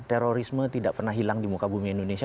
terorisme tidak pernah hilang di muka bumi indonesia